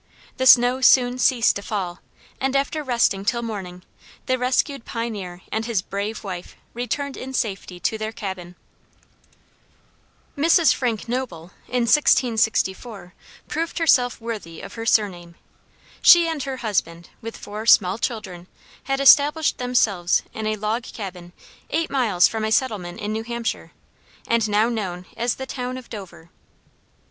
The snow soon ceased to fall, and after resting till morning, the rescued pioneer and his brave wife returned in safety to their cabin. [Illustration: LOST IN A SNOW STORM] Mrs. Frank Noble, in 1664, proved herself worthy of her surname. She and her husband, with four small children, had established themselves in a log cabin eight miles from a settlement in New Hampshire, and now known as the town of Dover.